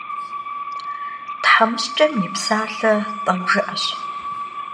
Themışç'em yi psalhe t'eu jjı'eş.